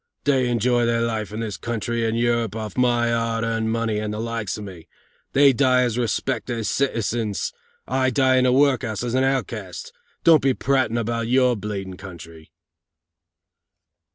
They enjoy their life in this country and Europe off my 'ard earned money and the likes of me. They die as respected citizens. I die in the work'us as an outcast. Don't be prating about your country!"